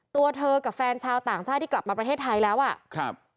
ตัวเธอกับแฟนชาวต่างชาติที่กลับมาประเทศไทยแล้วอ่ะครับ